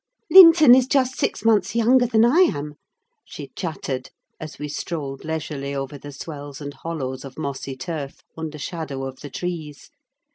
"Linton is just six months younger than I am," she chattered, as we strolled leisurely over the swells and hollows of mossy turf, under shadow of the trees.